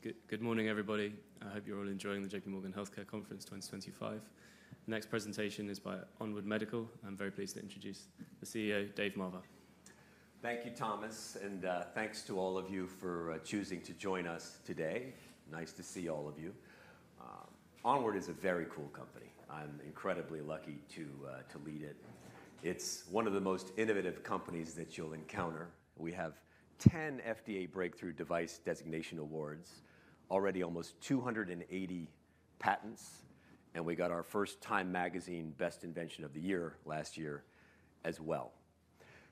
Okay, good morning, everybody. I hope you're all enjoying the JPMorgan Healthcare Conference 2025. The next presentation is by Onward Medical. I'm very pleased to introduce the CEO, Dave Marver. Thank you, Thomas, and thanks to all of you for choosing to join us today. Nice to see all of you. Onward is a very cool company. I'm incredibly lucky to lead it. It's one of the most innovative companies that you'll encounter. We have 10 FDA breakthrough device designation awards, already almost 280 patents, and we got our first Time Magazine Best Invention of the Year last year as well.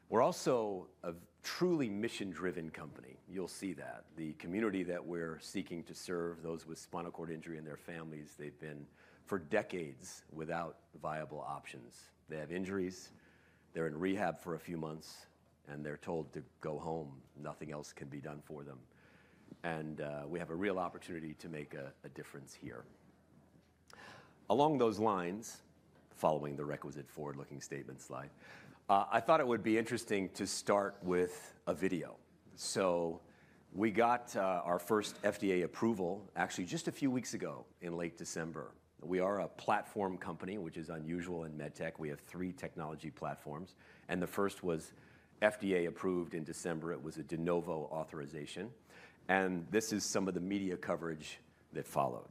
We're also a truly mission-driven company. You'll see that. The community that we're seeking to serve, those with spinal cord injury and their families, they've been for decades without viable options. They have injuries, they're in rehab for a few months, and they're told to go home. Nothing else can be done for them, and we have a real opportunity to make a difference here. Along those lines, following the requisite forward-looking statement slide, I thought it would be interesting to start with a video. So we got our first FDA approval, actually just a few weeks ago in late December. We are a platform company, which is unusual in med tech. We have three technology platforms, and the first was FDA approved in December. It was a De Novo Authorization. And this is some of the media coverage that followed.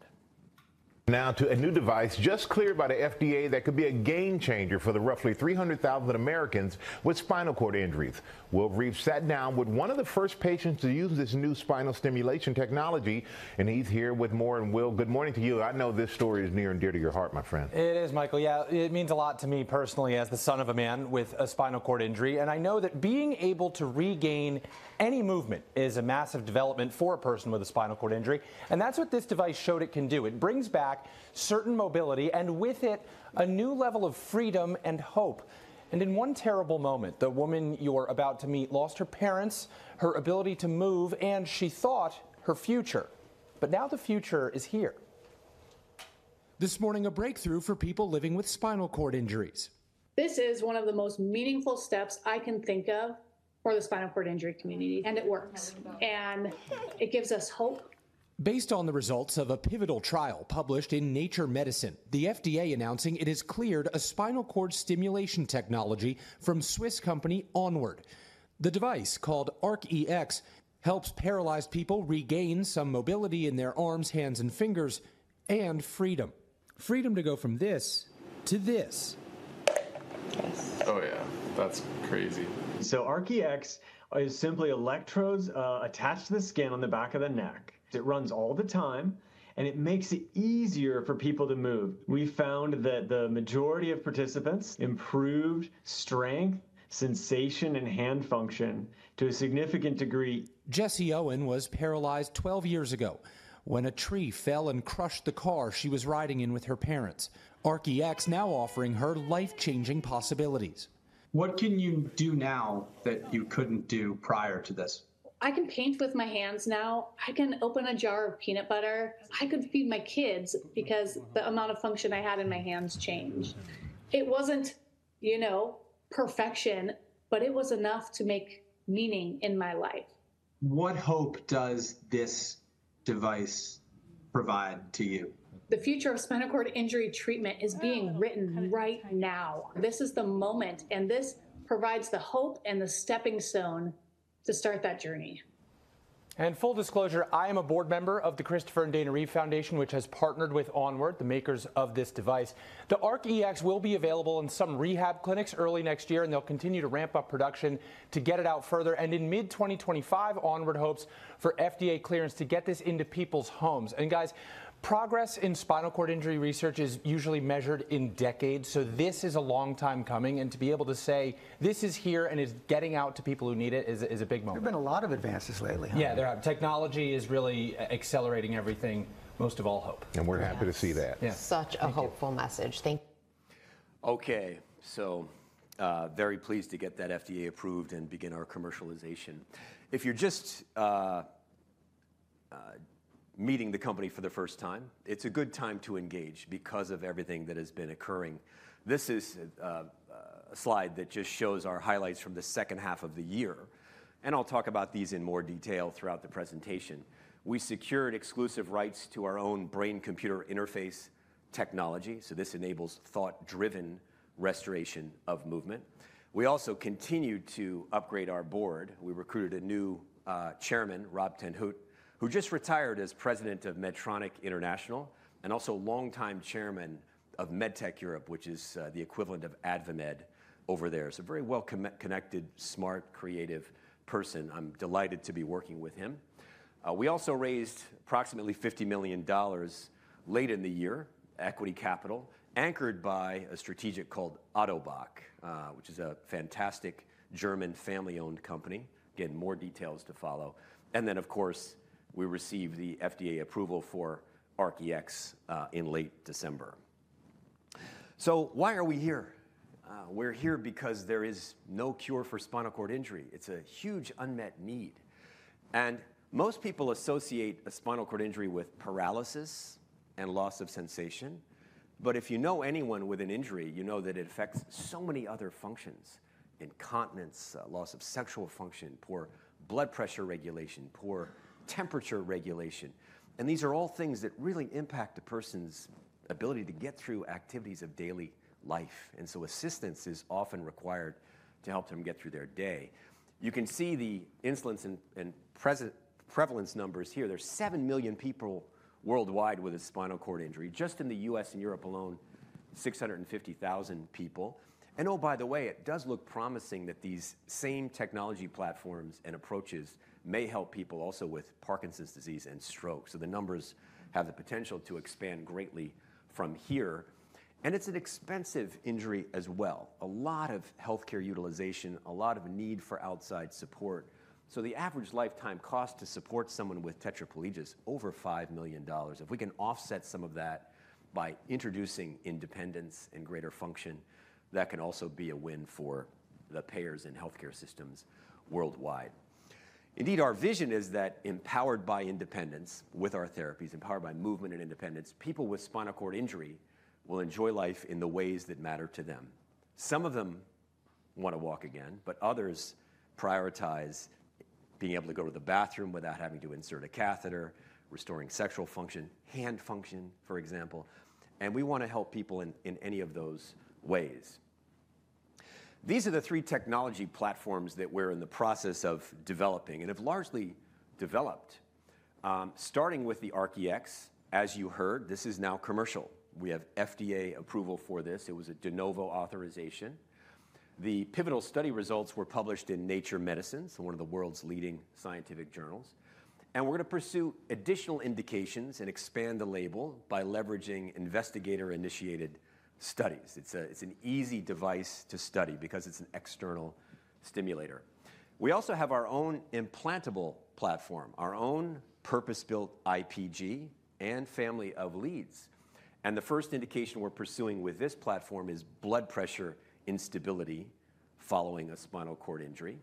Now to a new device just cleared by the FDA that could be a game changer for the roughly 300,000 Americans with spinal cord injuries. Will Reeve sat down with one of the first patients to use this new spinal stimulation technology, and he's here with Moore and Will. Good morning to you. I know this story is near and dear to your heart, my friend. It is, Michael. Yeah, it means a lot to me personally as the son of a man with a spinal cord injury, and I know that being able to regain any movement is a massive development for a person with a spinal cord injury, and that's what this device showed it can do. It brings back certain mobility and with it, a new level of freedom and hope, and in one terrible moment, the woman you are about to meet lost her parents, her ability to move, and she thought her future, but now the future is here. This morning, a breakthrough for people living with spinal cord injuries. This is one of the most meaningful steps I can think of for the spinal cord injury community, and it works, and it gives us hope. Based on the results of a pivotal trial published in Nature Medicine, the FDA announcing it has cleared a spinal cord stimulation technology from Swiss company Onward Medical. The device, called ARC-EX, helps paralyzed people regain some mobility in their arms, hands, and fingers, and freedom. Freedom to go from this to this. Yes. Oh, yeah. That's crazy. ARC-EX is simply electrodes attached to the skin on the back of the neck. It runs all the time, and it makes it easier for people to move. We found that the majority of participants improved strength, sensation, and hand function to a significant degree. Jessie Owen was paralyzed 12 years ago when a tree fell and crushed the car she was riding in with her parents. ARC-EX now offering her life-changing possibilities. What can you do now that you couldn't do prior to this? I can paint with my hands now. I can open a jar of peanut butter. I could feed my kids because the amount of function I had in my hands changed. It wasn't, you know, perfection, but it was enough to make meaning in my life. What hope does this device provide to you? The future of spinal cord injury treatment is being written right now. This is the moment, and this provides the hope and the stepping stone to start that journey. Full disclosure, I am a board member of the Christopher and Dana Reeve Foundation, which has partnered with Onward, the makers of this device. The ARC-EX will be available in some rehab clinics early next year, and they'll continue to ramp up production to get it out further. In mid-2025, Onward hopes for FDA clearance to get this into people's homes. Guys, progress in spinal cord injury research is usually measured in decades. This is a long time coming. To be able to say this is here and is getting out to people who need it is a big moment. There have been a lot of advances lately. Yeah, there have. Technology is really accelerating everything, most of all hope. We're happy to see that. Yeah, such a hopeful message. Thank you. Okay, so very pleased to get that FDA approved and begin our commercialization. If you're just meeting the company for the first time, it's a good time to engage because of everything that has been occurring. This is a slide that just shows our highlights from the second half of the year, and I'll talk about these in more detail throughout the presentation. We secured exclusive rights to our own brain-computer interface technology. So this enables thought-driven restoration of movement. We also continue to upgrade our board. We recruited a new chairman, Rob ten Hoedt, who just retired as president of Medtronic International and also longtime chairman of MedTech Europe, which is the equivalent of AdvaMed over there. It's a very well-connected, smart, creative person. I'm delighted to be working with him. We also raised approximately $50 million late in the year, equity capital, anchored by a strategic called Ottobock, which is a fantastic German family-owned company. Again, more details to follow, and then, of course, we received the FDA approval for ARC-EX in late December, so why are we here? We're here because there is no cure for spinal cord injury. It's a huge unmet need, and most people associate a spinal cord injury with paralysis and loss of sensation, but if you know anyone with an injury, you know that it affects so many other functions: incontinence, loss of sexual function, poor blood pressure regulation, poor temperature regulation, and these are all things that really impact a person's ability to get through activities of daily life, and so assistance is often required to help them get through their day. You can see the incidence and prevalence numbers here. There's seven million people worldwide with a spinal cord injury. Just in the U.S. and Europe alone, 650,000 people. And oh, by the way, it does look promising that these same technology platforms and approaches may help people also with Parkinson's disease and stroke. So the numbers have the potential to expand greatly from here. And it's an expensive injury as well. A lot of healthcare utilization, a lot of need for outside support. So the average lifetime cost to support someone with tetraplegia is over $5 million. If we can offset some of that by introducing independence and greater function, that can also be a win for the payers in healthcare systems worldwide. Indeed, our vision is that empowered by independence with our therapies, empowered by movement and independence, people with spinal cord injury will enjoy life in the ways that matter to them. Some of them want to walk again, but others prioritize being able to go to the bathroom without having to insert a catheter, restoring sexual function, hand function, for example. And we want to help people in any of those ways. These are the three technology platforms that we're in the process of developing and have largely developed. Starting with the ARC-EX, as you heard, this is now commercial. We have FDA approval for this. It was a de novo authorization. The pivotal study results were published in Nature Medicine, so one of the world's leading scientific journals. And we're going to pursue additional indications and expand the label by leveraging investigator-initiated studies. It's an easy device to study because it's an external stimulator. We also have our own implantable platform, our own purpose-built IPG and family of leads. And the first indication we're pursuing with this platform is blood pressure instability following a spinal cord injury.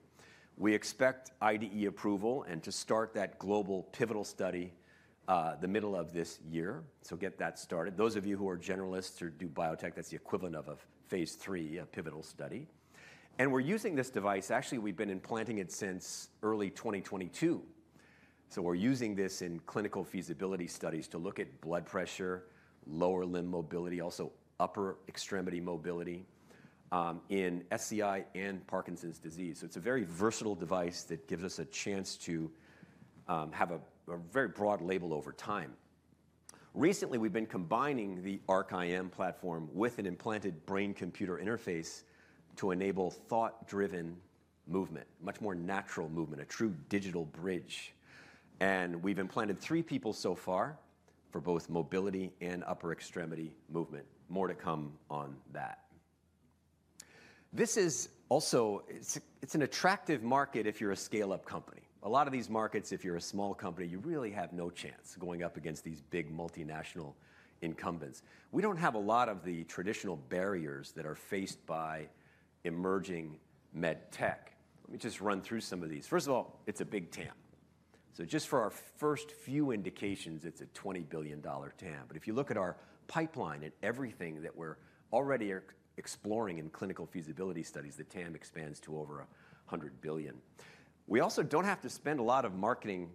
We expect IDE approval and to start that global pivotal study the middle of this year, so get that started. Those of you who are generalists or do biotech, that's the equivalent of a phase III pivotal study, and we're using this device. Actually, we've been implanting it since early 2022, so we're using this in clinical feasibility studies to look at blood pressure, lower limb mobility, also upper extremity mobility in SCI and Parkinson's disease, so it's a very versatile device that gives us a chance to have a very broad label over time. Recently, we've been combining the ARC-IM platform with an implanted brain-computer interface to enable thought-driven movement, much more natural movement, a true digital bridge. We've implanted three people so far for both mobility and upper extremity movement. More to come on that. This is also. It's an attractive market if you're a scale-up company. A lot of these markets, if you're a small company, you really have no chance going up against these big multinational incumbents. We don't have a lot of the traditional barriers that are faced by emerging med tech. Let me just run through some of these. First of all, it's a big TAM. So just for our first few indications, it's a $20 billion TAM. But if you look at our pipeline and everything that we're already exploring in clinical feasibility studies, the TAM expands to over $100 billion. We also don't have to spend a lot of marketing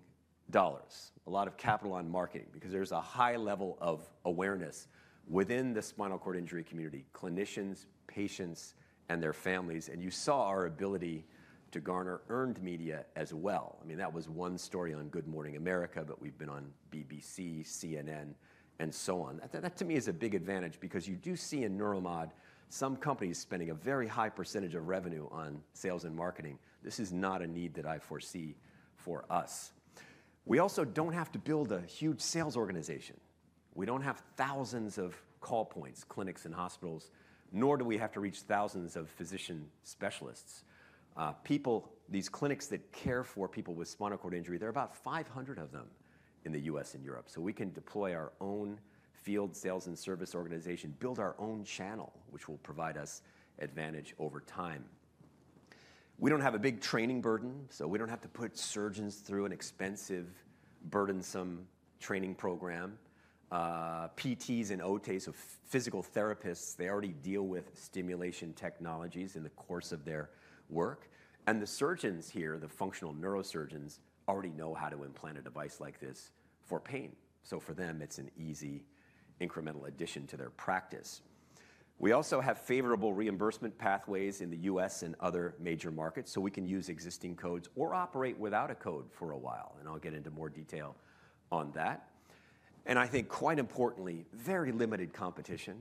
dollars, a lot of capital on marketing, because there's a high level of awareness within the spinal cord injury community, clinicians, patients, and their families. You saw our ability to garner earned media as well. I mean, that was one story on Good Morning America, but we've been on BBC, CNN, and so on. That, to me, is a big advantage because you do see in Neuromod some companies spending a very high percentage of revenue on sales and marketing. This is not a need that I foresee for us. We also don't have to build a huge sales organization. We don't have thousands of call points, clinics, and hospitals, nor do we have to reach thousands of physician specialists. People, these clinics that care for people with spinal cord injury, there are about 500 of them in the U.S. and Europe. So we can deploy our own field sales and service organization, build our own channel, which will provide us advantage over time. We don't have a big training burden, so we don't have to put surgeons through an expensive, burdensome training program. PTs and OTs, so physical therapists, they already deal with stimulation technologies in the course of their work. And the surgeons here, the functional neurosurgeons, already know how to implant a device like this for pain. So for them, it's an easy incremental addition to their practice. We also have favorable reimbursement pathways in the U.S. and other major markets, so we can use existing codes or operate without a code for a while. And I'll get into more detail on that. I think quite importantly, very limited competition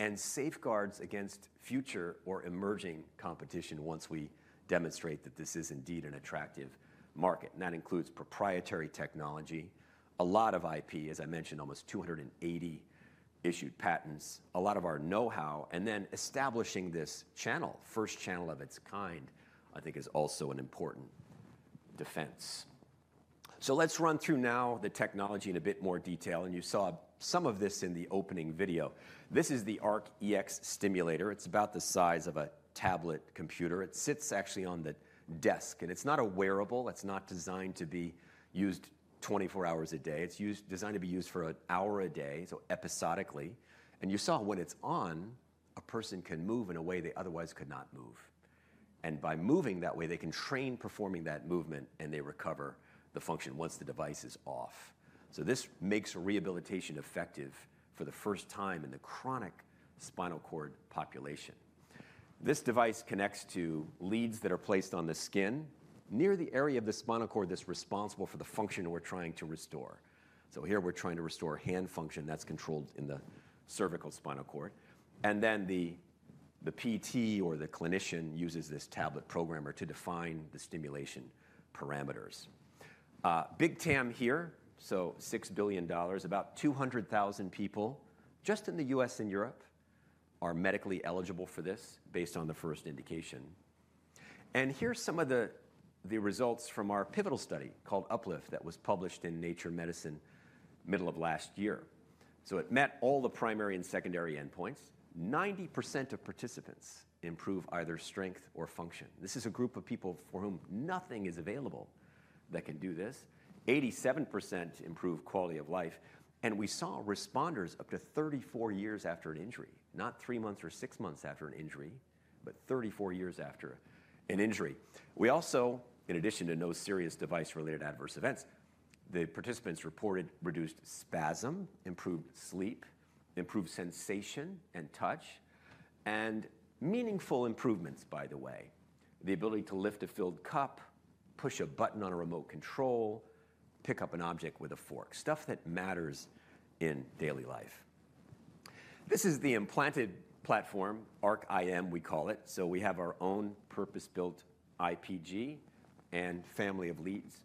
and safeguards against future or emerging competition once we demonstrate that this is indeed an attractive market. That includes proprietary technology, a lot of IP, as I mentioned, almost 280 issued patents, a lot of our know-how, and then establishing this channel, first channel of its kind, I think is also an important defense. Let's run through now the technology in a bit more detail. You saw some of this in the opening video. This is the ARC-EX stimulator. It's about the size of a tablet computer. It sits actually on the desk. It's not a wearable. It's not designed to be used 24 hours a day. It's designed to be used for an hour a day, so episodically. You saw when it's on, a person can move in a way they otherwise could not move. And by moving that way, they can train performing that movement, and they recover the function once the device is off. So this makes rehabilitation effective for the first time in the chronic spinal cord population. This device connects to leads that are placed on the skin near the area of the spinal cord that's responsible for the function we're trying to restore. So here we're trying to restore hand function that's controlled in the cervical spinal cord. And then the PT or the clinician uses this tablet programmer to define the stimulation parameters. Big TAM here, so $6 billion, about 200,000 people just in the U.S. and Europe are medically eligible for this based on the first indication. And here's some of the results from our pivotal study called Up-LIFT that was published in Nature Medicine middle of last year. So it met all the primary and secondary endpoints. 90% of participants improve either strength or function. This is a group of people for whom nothing is available that can do this. 87% improve quality of life, and we saw responders up to 34 years after an injury, not three months or six months after an injury, but 34 years after an injury. We also, in addition to no serious device-related adverse events, the participants reported reduced spasm, improved sleep, improved sensation and touch, and meaningful improvements, by the way: the ability to lift a filled cup, push a button on a remote control, pick up an object with a fork, stuff that matters in daily life. This is the implanted platform, ARC-IM we call it, so we have our own purpose-built IPG and family of leads.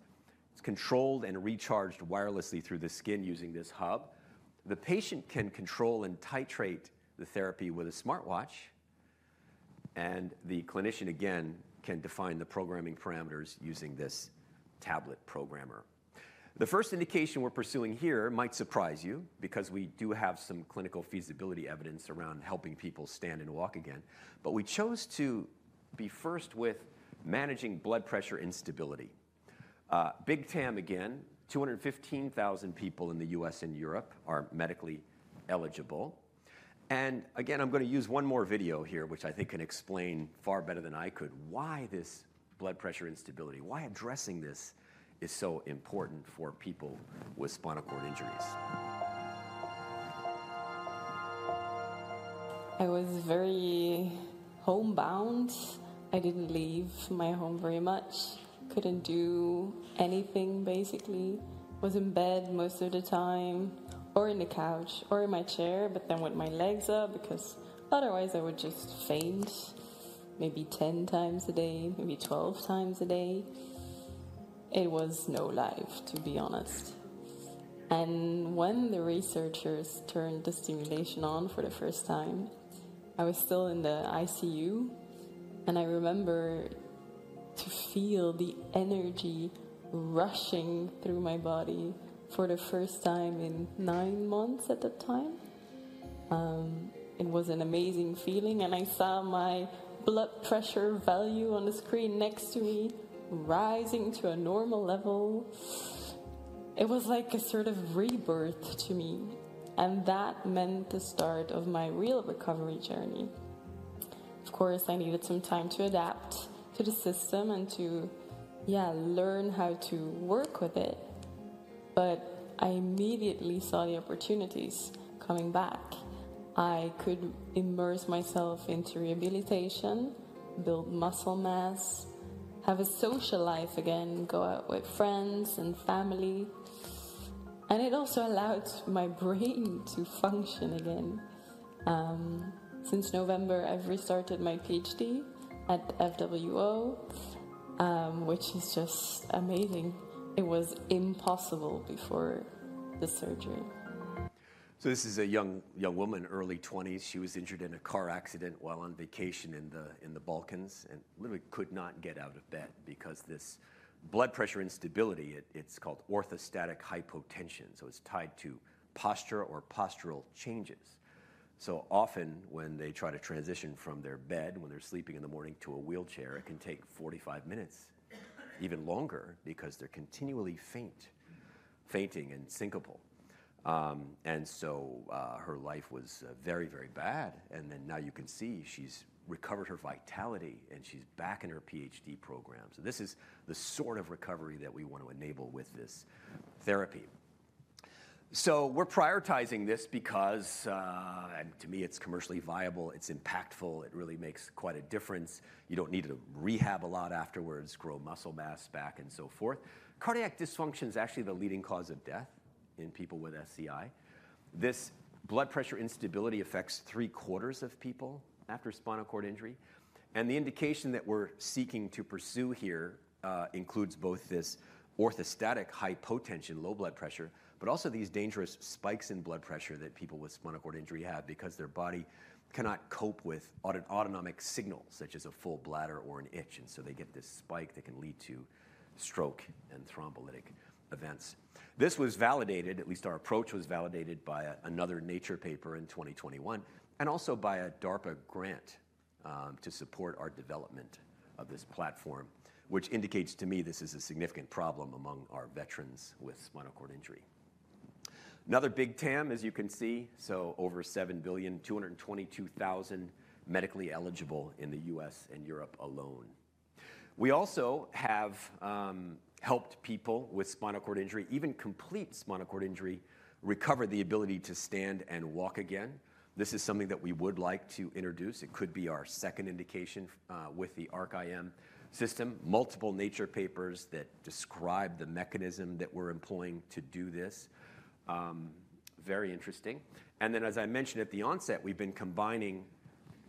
It's controlled and recharged wirelessly through the skin using this hub. The patient can control and titrate the therapy with a smartwatch. And the clinician, again, can define the programming parameters using this tablet programmer. The first indication we're pursuing here might surprise you because we do have some clinical feasibility evidence around helping people stand and walk again. But we chose to be first with managing blood pressure instability. Big TAM, again, 215,000 people in the U.S. and Europe are medically eligible. And again, I'm going to use one more video here, which I think can explain far better than I could why this blood pressure instability, why addressing this is so important for people with spinal cord injuries. I was very homebound. I didn't leave my home very much. Couldn't do anything, basically. Was in bed most of the time, or in the couch, or in my chair, but then with my legs up because otherwise I would just faint maybe 10 times a day, maybe 12 times a day. It was no life, to be honest, and when the researchers turned the stimulation on for the first time, I was still in the ICU, and I remember to feel the energy rushing through my body for the first time in nine months at the time. It was an amazing feeling, and I saw my blood pressure value on the screen next to me rising to a normal level. It was like a sort of rebirth to me, and that meant the start of my real recovery journey. Of course, I needed some time to adapt to the system and to, yeah, learn how to work with it. But I immediately saw the opportunities coming back. I could immerse myself into rehabilitation, build muscle mass, have a social life again, go out with friends and family. And it also allowed my brain to function again. Since November, I've restarted my PhD at FWO, which is just amazing. It was impossible before the surgery. This is a young woman, early 20s. She was injured in a car accident while on vacation in the Balkans and literally could not get out of bed because this blood pressure instability, it's called orthostatic hypotension. It's tied to posture or postural changes. Often when they try to transition from their bed when they're sleeping in the morning to a wheelchair, it can take 45 minutes, even longer, because they're continually fainting and syncopal. Her life was very, very bad. Now you can see she's recovered her vitality and she's back in her PhD program. This is the sort of recovery that we want to enable with this therapy. We're prioritizing this because, and to me, it's commercially viable, it's impactful, it really makes quite a difference. You don't need to rehab a lot afterwards, grow muscle mass back and so forth. Cardiac dysfunction is actually the leading cause of death in people with SCI. This blood pressure instability affects three quarters of people after spinal cord injury, and the indication that we're seeking to pursue here includes both this orthostatic hypotension, low blood pressure, but also these dangerous spikes in blood pressure that people with spinal cord injury have because their body cannot cope with autonomic signals such as a full bladder or an itch, and so they get this spike that can lead to stroke and thrombolytic events. This was validated, at least our approach was validated by another Nature paper in 2021, and also by a DARPA grant to support our development of this platform, which indicates to me this is a significant problem among our veterans with spinal cord injury. Another big TAM, as you can see, so over $7 billion, 222,000 medically eligible in the U.S. and Europe alone. We also have helped people with spinal cord injury, even complete spinal cord injury, recover the ability to stand and walk again. This is something that we would like to introduce. It could be our second indication with the ARC-IM system. Multiple Nature papers that describe the mechanism that we're employing to do this. Very interesting. Then, as I mentioned at the onset, we've been combining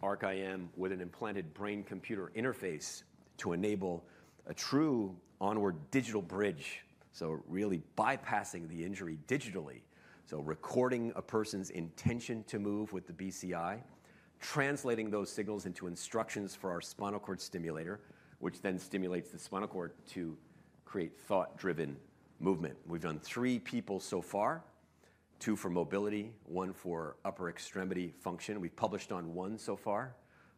ARC-IM with an implanted brain-computer interface to enable a true Onward digital bridge, so really bypassing the injury digitally. So recording a person's intention to move with the BCI, translating those signals into instructions for our spinal cord stimulator, which then stimulates the spinal cord to create thought-driven movement. We've done three people so far, two for mobility, one for upper extremity function. We've published on one so far,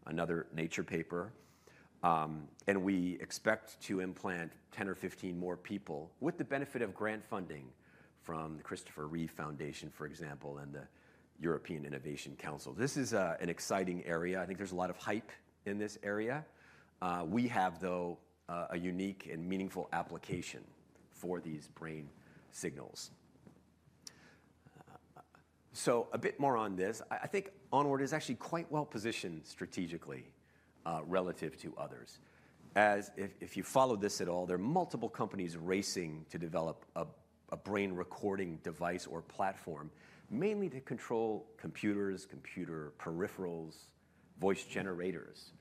another Nature paper. We expect to implant 10 or 15 more people with the benefit of grant funding from the Christopher Reeve Foundation, for example, and the European Innovation Council. This is an exciting area. I think there's a lot of hype in this area. We have, though, a unique and meaningful application for these brain signals. A bit more on this. I think Onward is actually quite well positioned strategically relative to others. If you follow this at all, there are multiple companies racing to develop a brain recording device or platform, mainly to control computers, computer peripherals, voice generators.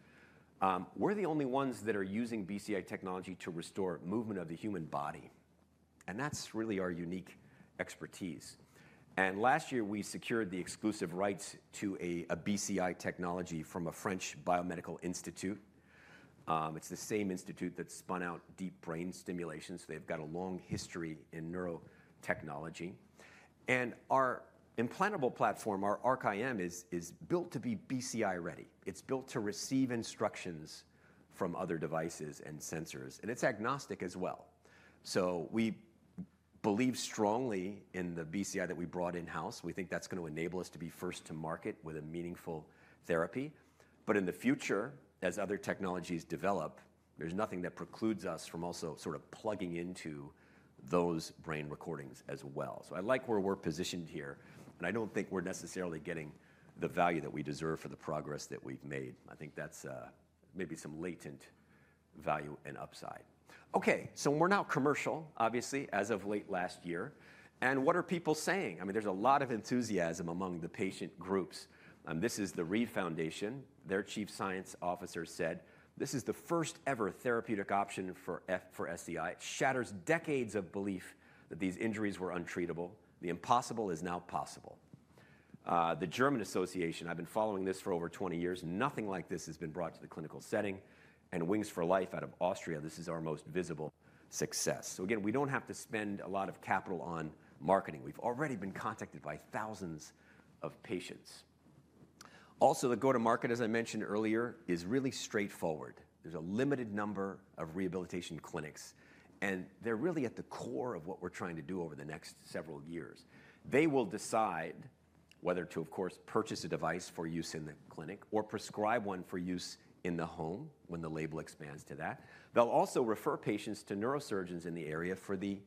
We're the only ones that are using BCI technology to restore movement of the human body. That's really our unique expertise. Last year, we secured the exclusive rights to a BCI technology from a French biomedical institute. It's the same institute that spun out deep brain stimulation. So they've got a long history in neurotechnology. And our implantable platform, our ARC-IM, is built to be BCI ready. It's built to receive instructions from other devices and sensors. And it's agnostic as well. So we believe strongly in the BCI that we brought in-house. We think that's going to enable us to be first to market with a meaningful therapy. But in the future, as other technologies develop, there's nothing that precludes us from also sort of plugging into those brain recordings as well. So I like where we're positioned here. And I don't think we're necessarily getting the value that we deserve for the progress that we've made. I think that's maybe some latent value and upside. Okay, so we're now commercial, obviously, as of late last year. And what are people saying? I mean, there's a lot of enthusiasm among the patient groups. This is the Reeve Foundation. Their chief science officer said, "This is the first ever therapeutic option for SCI. It shatters decades of belief that these injuries were untreatable. The impossible is now possible." The German Association, I've been following this for over 20 years. Nothing like this has been brought to the clinical setting. And Wings for Life out of Austria, this is our most visible success. So again, we don't have to spend a lot of capital on marketing. We've already been contacted by thousands of patients. Also, the go-to-market, as I mentioned earlier, is really straightforward. There's a limited number of rehabilitation clinics. And they're really at the core of what we're trying to do over the next several years. They will decide whether to, of course, purchase a device for use in the clinic or prescribe one for use in the home when the label expands to that. They'll also refer patients to neurosurgeons in the area for the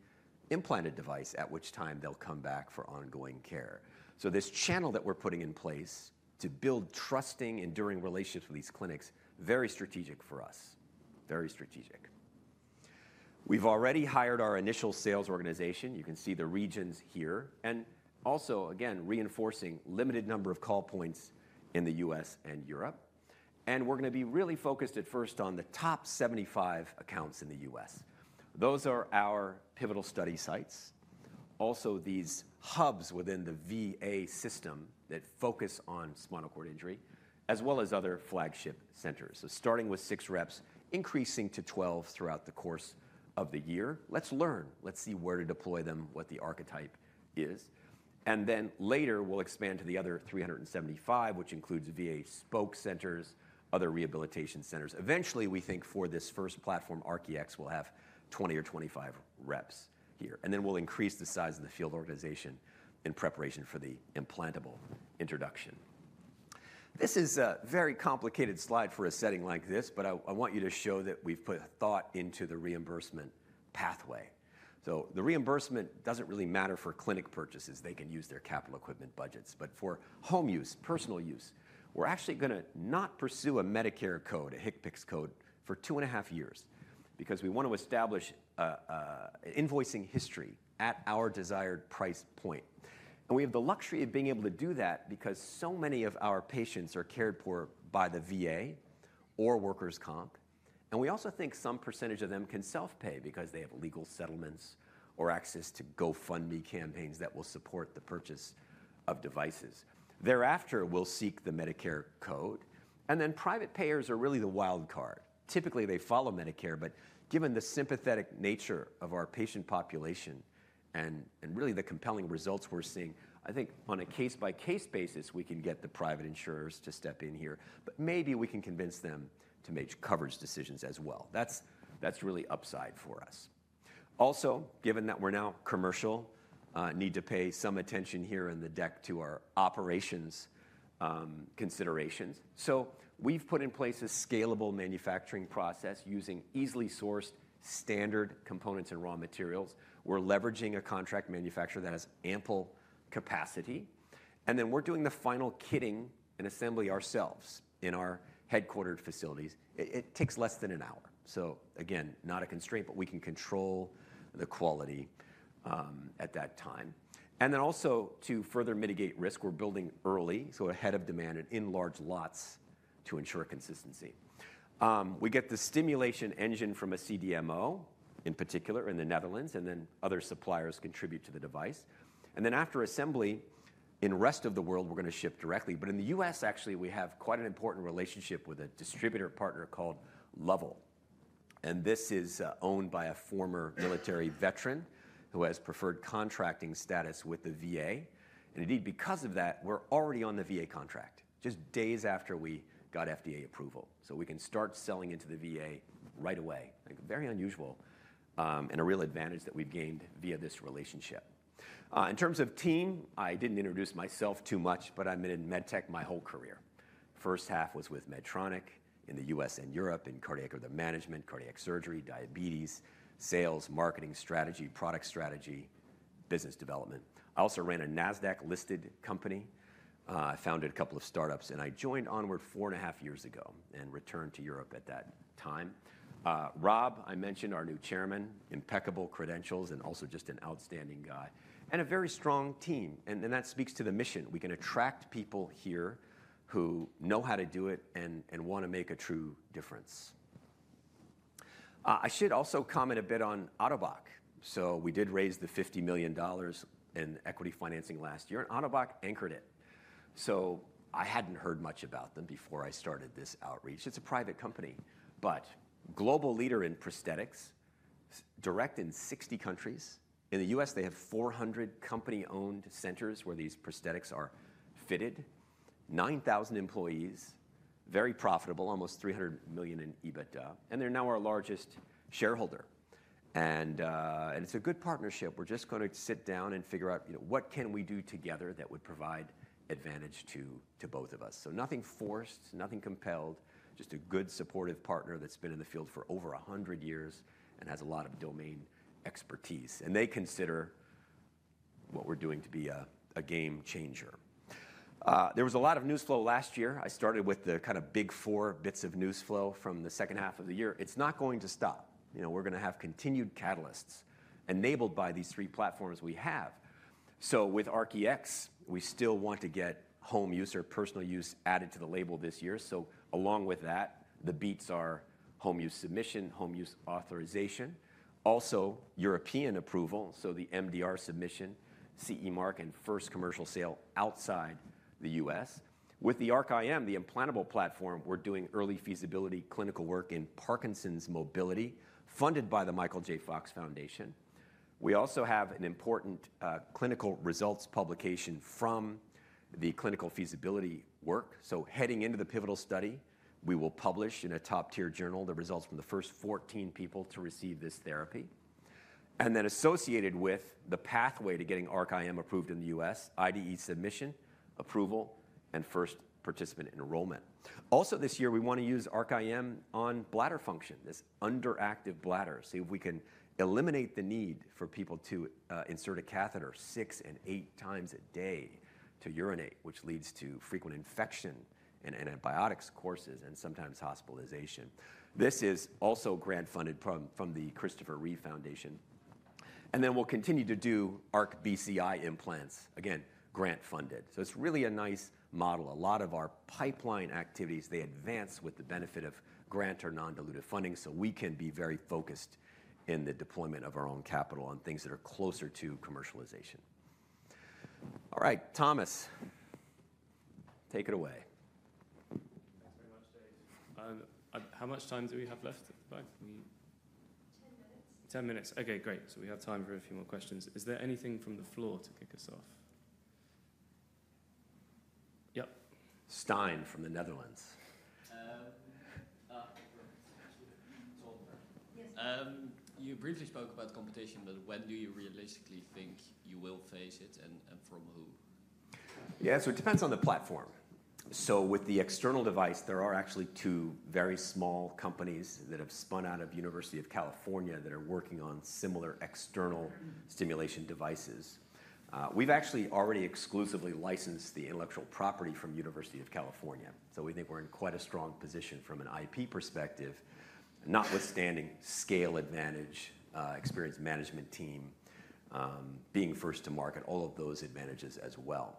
implanted device, at which time they'll come back for ongoing care, so this channel that we're putting in place to build trusting and enduring relationships with these clinics, very strategic for us, very strategic. We've already hired our initial sales organization. You can see the regions here and also, again, reinforcing limited number of call points in the U.S. and Europe and we're going to be really focused at first on the top 75 accounts in the U.S. Those are our pivotal study sites. Also, these hubs within the VA system that focus on spinal cord injury, as well as other flagship centers. Starting with six reps, increasing to 12 throughout the course of the year. Let's learn. Let's see where to deploy them, what the archetype is. Then later, we'll expand to the other 375, which includes VA spoke centers, other rehabilitation centers. Eventually, we think for this first platform, ARC-EX, we'll have 20 or 25 reps here. Then we'll increase the size of the field organization in preparation for the implantable introduction. This is a very complicated slide for a setting like this, but I want you to show that we've put a thought into the reimbursement pathway. The reimbursement doesn't really matter for clinic purchases. They can use their capital equipment budgets. But for home use, personal use, we're actually going to not pursue a Medicare code, a HCPCS code for two and a half years because we want to establish invoicing history at our desired price point. And we have the luxury of being able to do that because so many of our patients are cared for by the VA or workers' comp. And we also think some percentage of them can self-pay because they have legal settlements or access to GoFundMe campaigns that will support the purchase of devices. Thereafter, we'll seek the Medicare code. And then private payers are really the wild card. Typically, they follow Medicare, but given the sympathetic nature of our patient population and really the compelling results we're seeing, I think on a case-by-case basis, we can get the private insurers to step in here, but maybe we can convince them to make coverage decisions as well. That's really upside for us. Also, given that we're now commercial, need to pay some attention here in the deck to our operations considerations. So we've put in place a scalable manufacturing process using easily sourced standard components and raw materials. We're leveraging a contract manufacturer that has ample capacity. And then we're doing the final kitting and assembly ourselves in our headquartered facilities. It takes less than an hour. So again, not a constraint, but we can control the quality at that time. And then also to further mitigate risk, we're building early, so ahead of demand and in large lots to ensure consistency. We get the stimulation engine from a CDMO in particular in the Netherlands, and then other suppliers contribute to the device. And then after assembly, in the rest of the world, we're going to ship directly. But in the U.S., actually, we have quite an important relationship with a distributor partner called Lovell. And this is owned by a former military veteran who has preferred contracting status with the VA. And indeed, because of that, we're already on the VA contract just days after we got FDA approval. So we can start selling into the VA right away. Very unusual and a real advantage that we've gained via this relationship. In terms of team, I didn't introduce myself too much, but I'm in MedTech my whole career. First half was with Medtronic in the U.S. and Europe in cardiac management, cardiac surgery, diabetes, sales, marketing strategy, product strategy, business development. I also ran a Nasdaq-listed company. I founded a couple of startups, and I joined Onward four and a half years ago and returned to Europe at that time. Rob, I mentioned, our new chairman, impeccable credentials and also just an outstanding guy, and a very strong team. That speaks to the mission. We can attract people here who know how to do it and want to make a true difference. I should also comment a bit on Ottobock. We did raise the $50 million in equity financing last year, and Ottobock anchored it. I hadn't heard much about them before I started this outreach. It's a private company, but global leader in prosthetics, direct in 60 countries. In the U.S., they have 400 company-owned centers where these prosthetics are fitted, 9,000 employees, very profitable, almost $300 million in EBITDA. And they're now our largest shareholder. And it's a good partnership. We're just going to sit down and figure out what can we do together that would provide advantage to both of us. So nothing forced, nothing compelled, just a good supportive partner that's been in the field for over 100 years and has a lot of domain expertise. And they consider what we're doing to be a game changer. There was a lot of news flow last year. I started with the kind of big four bits of news flow from the second half of the year. It's not going to stop. We're going to have continued catalysts enabled by these three platforms we have. So with ARC-EX, we still want to get home use or personal use added to the label this year. So along with that, the beats are home use submission, home use authorization, also European approval, so the MDR submission, CE Mark, and first commercial sale outside the U.S. With the ARC-IM, the implantable platform, we're doing early feasibility clinical work in Parkinson's mobility funded by the Michael J. Fox Foundation. We also have an important clinical results publication from the clinical feasibility work. So heading into the pivotal study, we will publish in a top-tier journal the results from the first 14 people to receive this therapy. And then associated with the pathway to getting ARC-IM approved in the U.S., IDE submission, approval, and first participant enrollment. Also this year, we want to use ARC-IM on bladder function, this underactive bladder, see if we can eliminate the need for people to insert a catheter six and eight times a day to urinate, which leads to frequent infection and antibiotics courses and sometimes hospitalization. This is also grant-funded from the Christopher & Dana Reeve Foundation, and then we'll continue to do ARC-BCI implants, again, grant-funded, so it's really a nice model. A lot of our pipeline activities, they advance with the benefit of grant or non-dilutive funding, so we can be very focused in the deployment of our own capital on things that are closer to commercialization. All right, Thomas, take it away. Thanks very much, Dave. How much time do we have left at the back? 10 minutes. 10 minutes. Okay, great. So we have time for a few more questions. Is there anything from the floor to kick us off? Yep. Stein from the Netherlands. You briefly spoke about the competition, but when do you realistically think you will face it and from who? Yeah, so it depends on the platform. So with the external device, there are actually two very small companies that have spun out of the University of California that are working on similar external stimulation devices. We've actually already exclusively licensed the intellectual property from the University of California. So we think we're in quite a strong position from an IP perspective, notwithstanding scale advantage, experienced management team, being first to market, all of those advantages as well.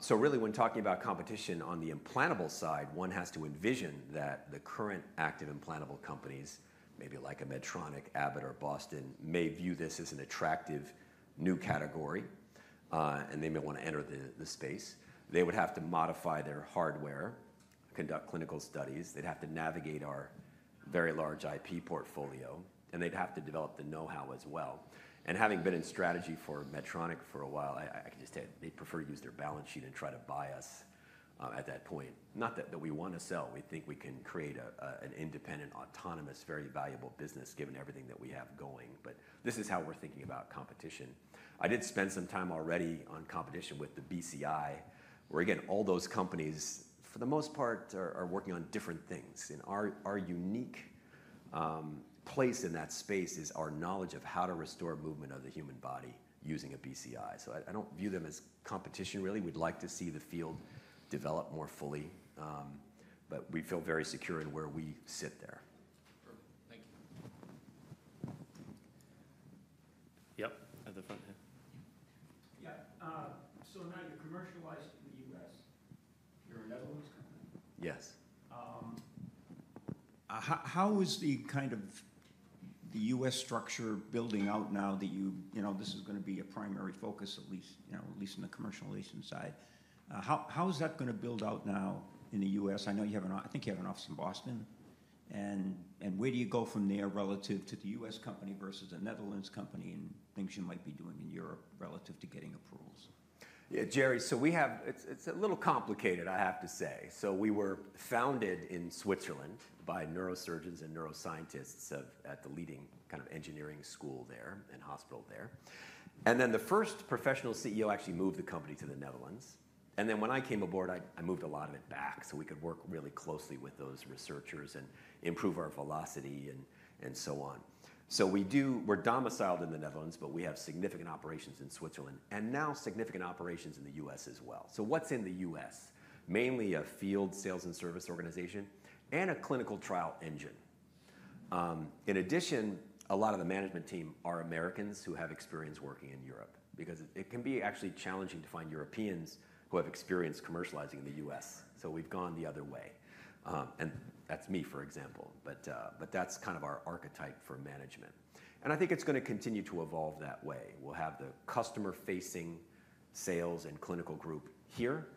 So really, when talking about competition on the implantable side, one has to envision that the current active implantable companies, maybe like a Medtronic, Abbott, or Boston, may view this as an attractive new category, and they may want to enter the space. They would have to modify their hardware, conduct clinical studies. They'd have to navigate our very large IP portfolio, and they'd have to develop the know-how as well. Having been in strategy for Medtronic for a while, I can just tell you, they'd prefer to use their balance sheet and try to buy us at that point. Not that we want to sell. We think we can create an independent, autonomous, very valuable business given everything that we have going. This is how we're thinking about competition. I did spend some time already on competition with the BCI, where again, all those companies, for the most part, are working on different things. Our unique place in that space is our knowledge of how to restore movement of the human body using a BCI. I don't view them as competition, really. We'd like to see the field develop more fully, but we feel very secure in where we sit there. Perfect. Thank you. Yep, at the front here. Yeah. So now you're commercialized in the U.S. You're a Netherlands company. Yes. How is the kind of U.S structure building out now that you know this is going to be a primary focus, at least in the commercialization side? How is that going to build out now in the U.S.? I think you have an office in Boston, and where do you go from there relative to the U.S. company versus a Netherlands company and things you might be doing in Europe relative to getting approvals? Yeah, Jerry, so we have, it's a little complicated, I have to say. So we were founded in Switzerland by neurosurgeons and neuroscientists at the leading kind of engineering school there and hospital there. And then the first professional CEO actually moved the company to the Netherlands. And then when I came aboard, I moved a lot of it back so we could work really closely with those researchers and improve our velocity and so on. So we're domiciled in the Netherlands, but we have significant operations in Switzerland and now significant operations in the U.S. as well. So what's in the U.S.? Mainly a field sales and service organization and a clinical trial engine. In addition, a lot of the management team are Americans who have experience working in Europe because it can be actually challenging to find Europeans who have experience commercializing in the U.S. So we've gone the other way. And that's me, for example, but that's kind of our archetype for management. And I think it's going to continue to evolve that way. We'll have the customer-facing sales and clinical group here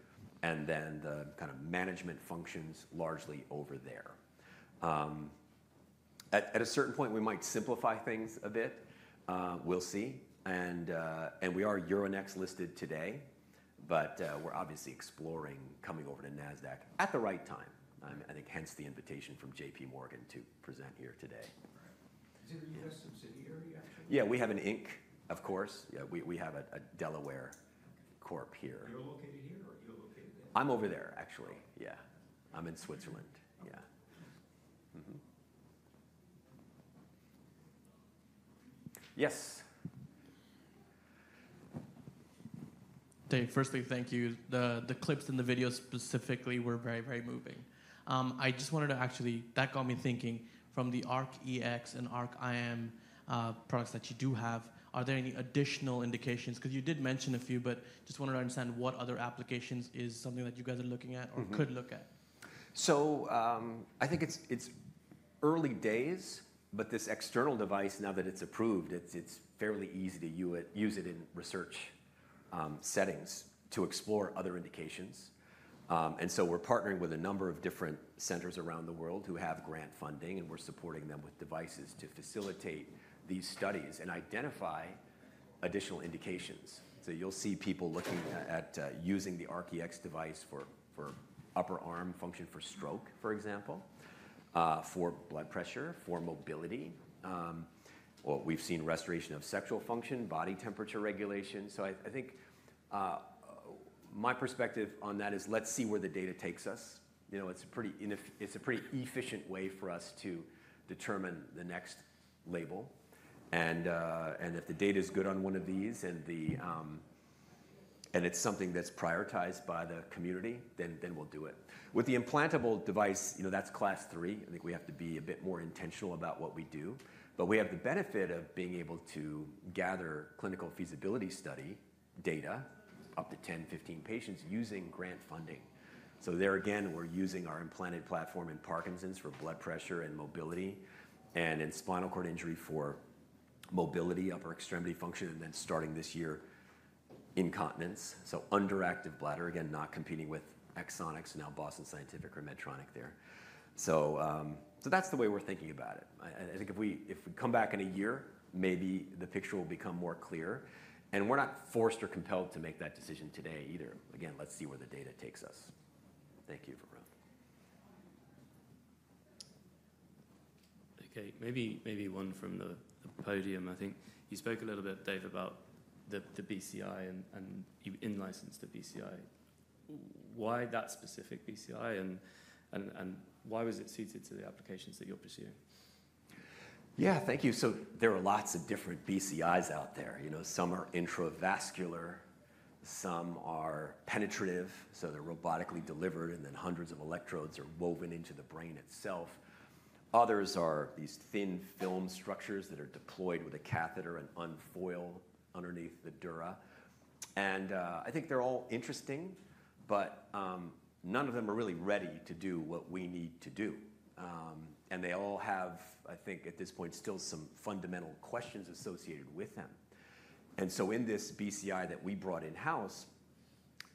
and then the kind of management functions largely over there. At a certain point, we might simplify things a bit. We'll see. And we are Euronext listed today, but we're obviously exploring coming over to Nasdaq at the right time. I think hence the invitation from JPMorgan to present here today. Is it a U.S. subsidiary actually? Yeah, we have an Inc., of course. Yeah, we have a Delaware Corp. here. You're located here or you're located there? I'm over there, actually. Yeah. I'm in Switzerland. Yeah. Yes. Dave, firstly, thank you. The clips in the video specifically were very, very moving. I just wanted to actually that got me thinking from the ARC-EX and ARC-IM products that you do have, are there any additional indications? Because you did mention a few, but just wanted to understand what other applications is something that you guys are looking at or could look at. So I think it's early days, but this external device, now that it's approved, it's fairly easy to use it in research settings to explore other indications. And so we're partnering with a number of different centers around the world who have grant funding, and we're supporting them with devices to facilitate these studies and identify additional indications. So you'll see people looking at using the ARC-EX device for upper arm function for stroke, for blood pressure, for mobility. We've seen restoration of sexual function, body temperature regulation. So I think my perspective on that is let's see where the data takes us. It's a pretty efficient way for us to determine the next label. And if the data is good on one of these and it's something that's prioritized by the community, then we'll do it. With the implantable device, that's class three. I think we have to be a bit more intentional about what we do. But we have the benefit of being able to gather clinical feasibility study data up to 10, 15 patients using grant funding. So there again, we're using our implanted platform in Parkinson's for blood pressure and mobility and in spinal cord injury for mobility, upper extremity function, and then starting this year, incontinence. So underactive bladder, again, not competing with Axonics, now Boston Scientific or Medtronic there. So that's the way we're thinking about it. I think if we come back in a year, maybe the picture will become more clear. And we're not forced or compelled to make that decision today either. Again, let's see where the data takes us. Thank you, everyone. Okay, maybe one from the podium. I think you spoke a little bit, Dave, about the BCI and you've in-licensed the BCI. Why that specific BCI and why was it suited to the applications that you're pursuing? Yeah, thank you. So there are lots of different BCIs out there. Some are intravascular. Some are penetrative. So they're robotically delivered and then hundreds of electrodes are woven into the brain itself. Others are these thin film structures that are deployed with a catheter and unfurl underneath the dura. And I think they're all interesting, but none of them are really ready to do what we need to do. And they all have, I think at this point, still some fundamental questions associated with them. And so in this BCI that we brought in-house,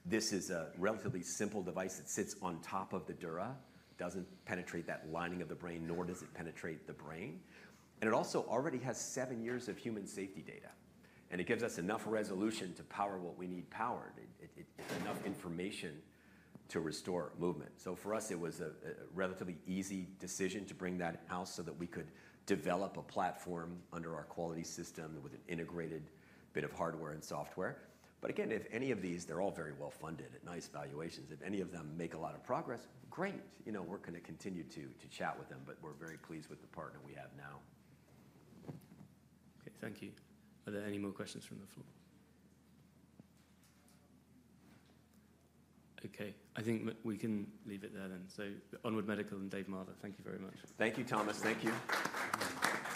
this is a relatively simple device that sits on top of the dura. It doesn't penetrate that lining of the brain, nor does it penetrate the brain. And it also already has seven years of human safety data. And it gives us enough resolution to power what we need powered. It's enough information to restore movement. So for us, it was a relatively easy decision to bring that out so that we could develop a platform under our quality system with an integrated bit of hardware and software. But again, if any of these, they're all very well funded at nice valuations. If any of them make a lot of progress, great. We're going to continue to chat with them, but we're very pleased with the partner we have now. Okay, thank you. Are there any more questions from the floor? Okay, I think we can leave it there then. So Onward Medical and Dave Marver, thank you very much. Thank you, Thomas. Thank you.